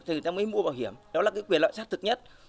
thì người ta mới mua bảo hiểm đó là cái quyền lợi xác thực nhất